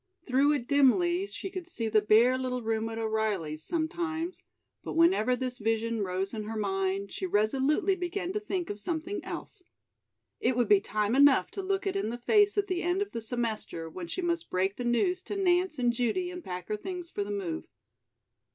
Through it dimly she could see the bare little room at O'Reilly's, sometimes, but whenever this vision rose in her mind, she resolutely began to think of something else. It would be time enough to look it in the face at the end of the semester, when she must break the news to Nance and Judy and pack her things for the move.